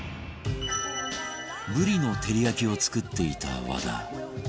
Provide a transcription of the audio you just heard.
ブリの照り焼きを作っていた和田